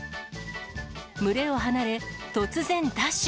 群れを離れ、突然ダッシュ。